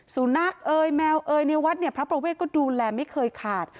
สูนักเอ่ยแมวเอ่ยในวัดพระประเวทย์ก็ดูแลไม่เคยขาด